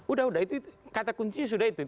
udah udah itu kata kuncinya sudah itu